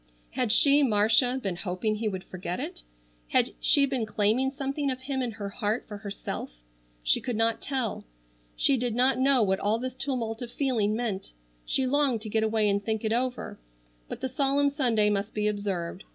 Had she, Marcia, been hoping he would forget it? Had she been claiming something of him in her heart for herself? She could not tell. She did not know what all this tumult of feeling meant. She longed to get away and think it over, but the solemn Sunday must be observed.